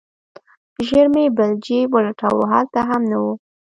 ژر مې بل جيب ولټاوه هلته هم نه و.